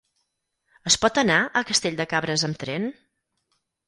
Es pot anar a Castell de Cabres amb tren?